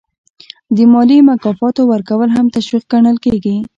د مالي مکافاتو ورکول هم تشویق ګڼل کیږي.